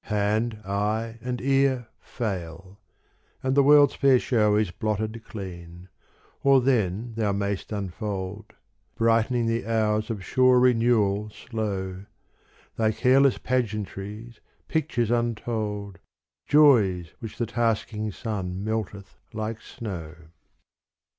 Hand, eye and ear fail, and the world's fair show Is blotted clean : or then thou mayst unfold — Brightening the hours of sure renewal slow — Thy careless pageantries, pictures untold, Joys which the tasking sun melteth like snow.